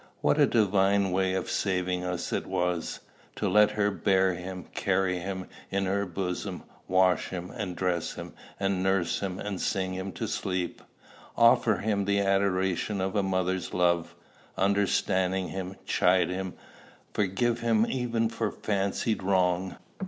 What a divine way of saving us it was, to let her bear him, carry him in her bosom, wash him and dress him and nurse him and sing him to sleep, offer him the adoration of mother's love, misunderstand him, chide him, forgive him even for fancied wrong!